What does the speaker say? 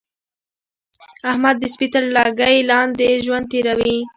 احمد د سپي تر لګۍ لاندې ژوند تېروي.